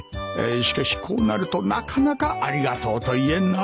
しかしこうなるとなかなかありがとうと言えんな